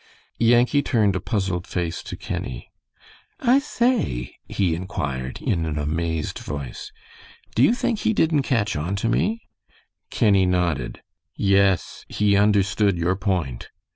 Yankee turned a puzzled face to Kenny. "I say," he inquired, in an amazed voice, "do you think he didn't catch on to me?" Kenny nodded. "Yes, he understood your point."